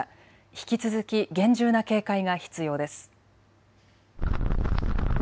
引き続き厳重な警戒が必要です。